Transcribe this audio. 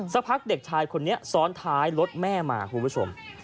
สักพักเด็กชายคนนี้ซ้อนท้ายรถแม่มาคุณผู้ชม